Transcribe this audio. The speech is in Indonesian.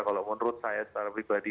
kalau menurut saya secara pribadi